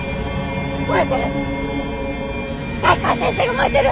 燃えてる！